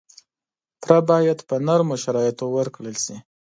پور باید په نرمو شرایطو ورکړل شي.